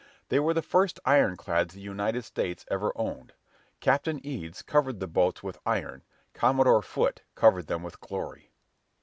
They were the first ironclads the United States ever owned. Captain Eads covered the boats with iron: Commodore Foote covered them with glory.